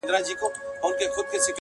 دا چي تللي زموږ له ښاره تر اسمانه,